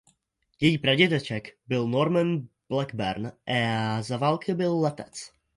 Její pradědeček byl Norman Blackburn a za války byl letec.